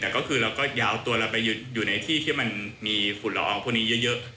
แต่ก็คือเราก็อย่าเอาตัวเราไปอยู่ในที่ที่มันมีฝุ่นละอองพวกนี้เยอะ